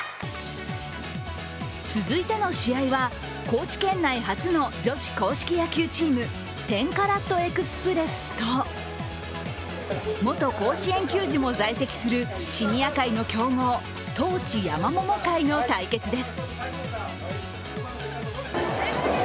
続いての試合は高知県内初の女子硬式野球チーム、１０ＣａｒａｔＥｘｐｒｅｓｓと元甲子園球児も在籍するシニア界の強豪、十市やまもも会の対決です。